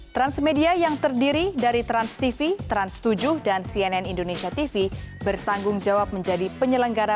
transmedia yang terdiri dari transtv trans tujuh dan cnn indonesia tv bertanggung jawab menjadi penyelenggara